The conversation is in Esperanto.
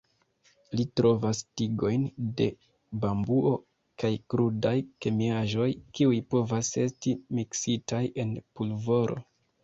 Li trovas tigojn de bambuo kaj krudaj kemiaĵoj, kiuj povas esti miksitaj en pulvoro.